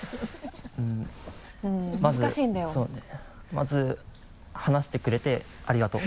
まず話してくれてありがとう。